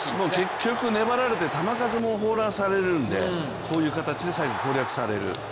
結局粘られて球数も放らされるんでこういう形で最後、攻略される。